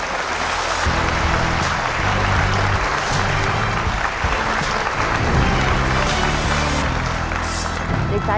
ขอบคุณครับ